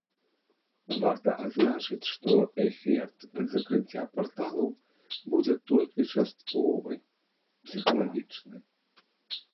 Варта адзначыць, што эфект ад закрыцця парталаў будзе толькі частковы, псіхалагічны.